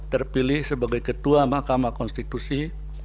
terpilih sebagai ketua mahkamah konstitusi